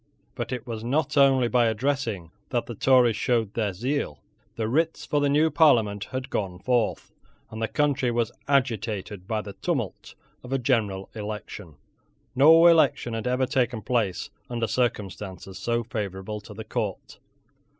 But it was not only by addressing that the Tories showed their zeal. The writs for the new Parliament had gone forth, and the country was agitated by the tumult of a general election. No election had ever taken place under circumstances so favourable to the Court.